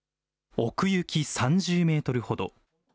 奥行き３０メートルほど。